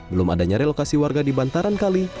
belum adanya relokasi warga di bantaran kali